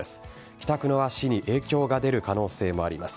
帰宅の足に影響が出る可能性もあります。